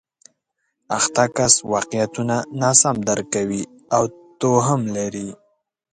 اخته کس واقعیتونه ناسم درک کوي او توهم لري